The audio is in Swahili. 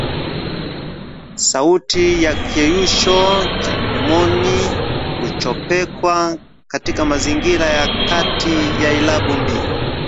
Sauti ya kiyeyusho cha midomoni huchopekwa katika mazingira ya kati ya irabu mbili